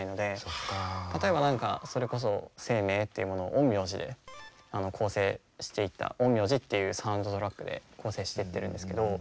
例えば何かそれこそ「ＳＥＩＭＥＩ」っていうものを「陰陽師」で構成していった「陰陽師」っていうサウンドトラックで構成してってるんですけど。